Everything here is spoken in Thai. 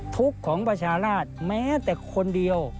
ทุกข์ของประชาราชแม้แต่คนเดียว